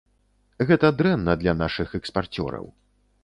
Гэта дрэнна для нашых экспарцёраў.